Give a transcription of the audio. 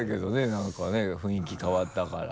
何かね雰囲気変わったから。